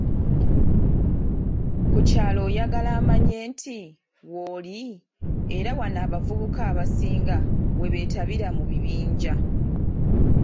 Ku kyalo oyagala amanye nti, woli, era wano abavubuka abasinga webeetabira mu "bibinja"